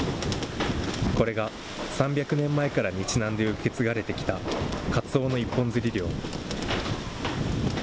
これが３００年前から日南で受け継がれてきた、かつおの一本釣り漁。